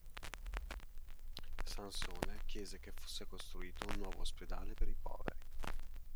Sansone chiese che fosse costruito un nuovo ospedale per i poveri.